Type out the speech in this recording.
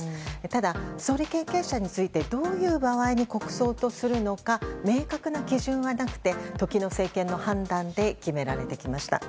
ただ、総理経験者についてどういう場合に国葬とするのか明確な基準はなくて時の政権の判断で決められてきました。